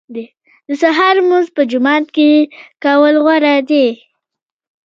د سهار لمونځ په جومات کې کول غوره دي.